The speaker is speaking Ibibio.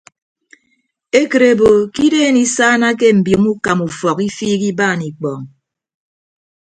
Ekịt ebo ke ideen isaanake mbiomo ukama ufọk ifiik ibaan ikpọọñ.